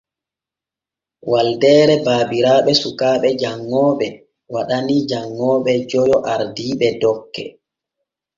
Waldeere baabiraaɓe sukaaɓe janŋooɓe waɗanii janŋooɓe joyo ardiiɓe dokke.